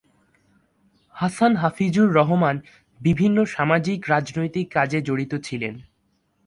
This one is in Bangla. হাসান হাফিজুর রহমান বিভিন্ন সামাজিক-রাজনৈতিক কাজে জড়িত ছিলেন।